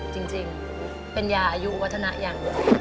จริงเป็นยาอายุวัฒนายัง